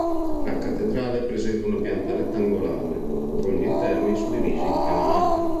La cattedrale presenta una pianta rettangolare, con gli interni suddivisi in tre navate.